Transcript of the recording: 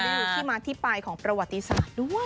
ก็จะได้รู้ที่มาที่ปลายของประวัติศาสตร์ด้วย